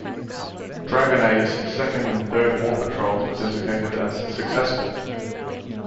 "Dragonet"'s second and third war patrols were designated as "successful".